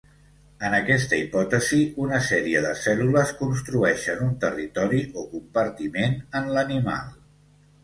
En aquesta hipòtesi una sèrie de cèl·lules construeixen un territori o compartiment en l'animal.